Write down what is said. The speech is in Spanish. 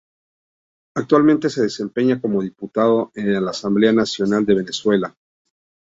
Actualmente se desempeña como diputado a la Asamblea Nacional de Venezuela.